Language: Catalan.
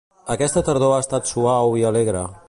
Aquesta tardor ha estat suau i alegre.